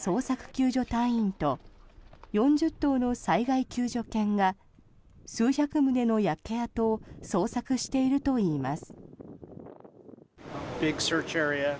救助隊員と４０頭の災害救助犬が数百棟の焼け跡を捜索しているといいます。